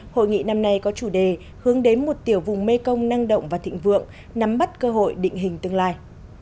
hội nghị năm nay có chủ đề hướng đến một tiểu vùng mekong năng động và thịnh vượng nắm bắt cơ hội định hình tương lai